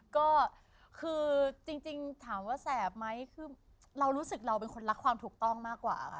ก็คือจริงถามว่าแสบไหมคือเรารู้สึกเราเป็นคนรักความถูกต้องมากกว่าค่ะ